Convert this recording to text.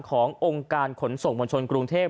ขององค์การขนส่งมวลชนกรุงเทพ